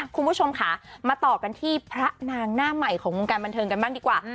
คุณผู้ชมค่ะมาต่อกันที่พระนางหน้าใหม่ของวงการบันเทิงกันบ้างดีกว่า